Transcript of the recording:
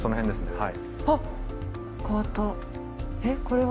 はい。